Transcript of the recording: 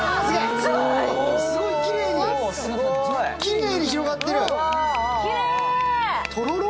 すごい、きれいに広がってるとろろ？